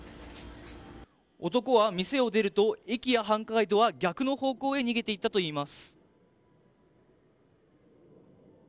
男は店を出ると駅や繁華街とは逆の方向へ逃げて行ったといいます。